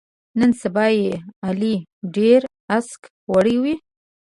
نن سبا یې علي ډېره اسکه وړوي.